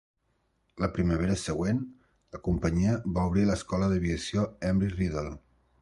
La primavera següent, la companyia va obrir l'Escola d'Aviació Embry-Riddle.